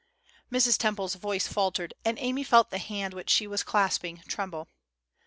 Mrs. Temple's voice faltered, and Amy felt the hand which she was clasping tremble.